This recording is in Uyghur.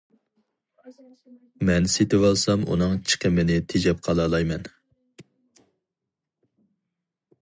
مەن سېتىۋالسام ئۇنىڭ چىقىمىنى تېجەپ قالالايمەن.